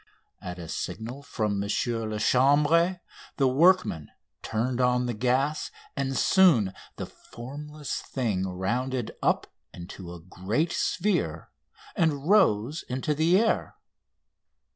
At a signal from M. Lachambre the workmen turned on the gas, and soon the formless thing rounded up into a great sphere and rose into the air.